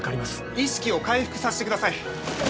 意識を回復さしてください！